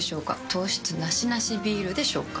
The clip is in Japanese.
糖質ナシナシビールでしょうか？